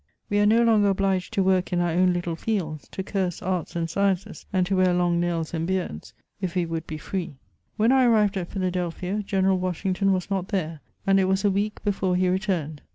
We are no longer obliged to work in our own little fields, to curse arts and sciences, and to wear long nails and beards, if we would be free. When I arrived at Philadelphia, General Washington was not there, and it was a week before he returned.